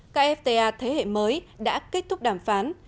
các fta thế hệ mới đã kết thúc đàm phán